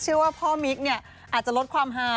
เชื่อว่าพ่อมิ๊กเนี่ยอาจจะลดความฮา